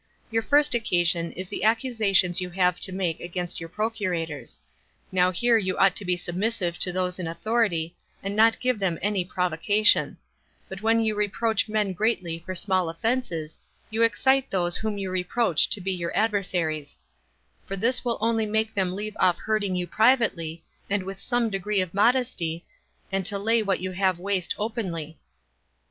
Your first occasion is the accusations you have to make against your procurators; now here you ought to be submissive to those in authority, and not give them any provocation; but when you reproach men greatly for small offenses, you excite those whom you reproach to be your adversaries; for this will only make them leave off hurting you privately, and with some degree of modesty, and to lay what you have waste openly.